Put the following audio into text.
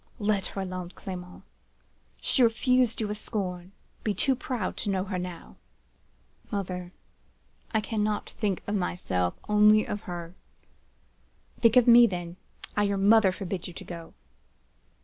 Let her alone, Clement! She refused you with scorn: be too proud to notice her now.' "'Mother, I cannot think of myself; only of her.' "'Think of me, then! I, your mother, forbid you to go.